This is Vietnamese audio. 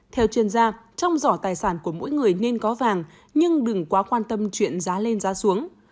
theo chuyên gia trong giỏ tài sản của mỗi người nên có vàng nhưng đừng quá quan tâm chuyện giá lên giá xuống